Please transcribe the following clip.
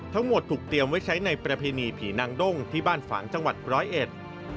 ทั้งหมดถูกเตรียมไว้ใช้ในประเพณีผีนางด้งที่บ้านฝางจังหวัดร้อยเอ็ด